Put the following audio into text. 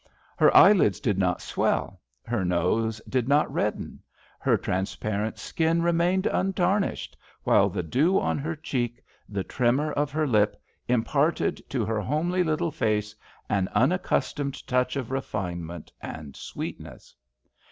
Her eyelids did not swell, her nose did not redden, her transparent skin remained untarnished, while the dew on her cheek, the tremor of her lip, imparted to her homely little face an unaccustomed touch of refinement and sweetness.